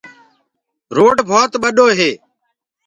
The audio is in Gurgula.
روڊ ڀوت ٻڏو هي۔